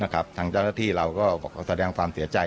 ทางเจ้าหน้าที่เราก็แสดงความเสียใจ